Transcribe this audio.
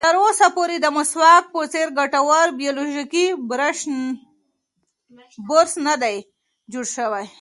تر اوسه پورې د مسواک په څېر ګټوره بیولوژیکي فرش نه ده جوړه شوې.